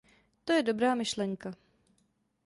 To je dobrá myšlenka.